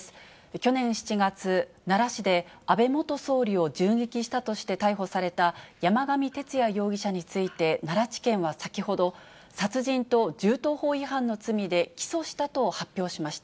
去年７月、奈良市で安倍元総理を銃撃したとして逮捕された山上徹也容疑者について、奈良地検は先ほど、殺人と銃刀法違反の罪で起訴したと発表しました。